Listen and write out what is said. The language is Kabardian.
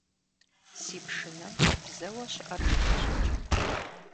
Си пшынэм бзэуэ щыӀэр зэхещӀыкӀ.